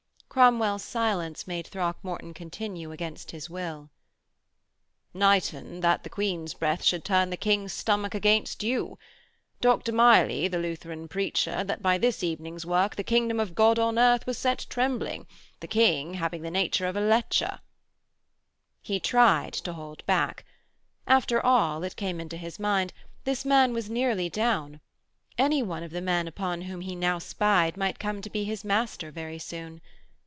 Cromwell's silence made Throckmorton continue against his will: 'Knighton, that the Queen's breath should turn the King's stomach against you! Dr. Miley, the Lutheran preacher, that by this evening's work the Kingdom of God on earth was set trembling, the King having the nature of a lecher....' He tried to hold back. After all, it came into his mind, this man was nearly down. Any one of the men upon whom he now spied might come to be his master very soon.